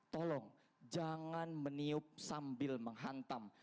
tolong jangan meniup sambil menghantam